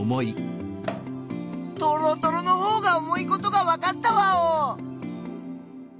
とろとろのほうが重いことがわかったワオ！